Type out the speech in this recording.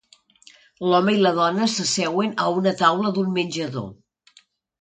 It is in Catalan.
L'home i la dona s'asseuen a una taula d'un menjador.